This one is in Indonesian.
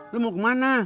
lo mau kemana